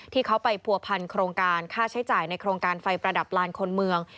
ที่เขาไปผัวพันโครงการค่าใช้จ่ายในโครงการไฟประดับลานคนเมือง